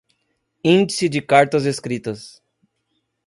Índice de Cartas escritas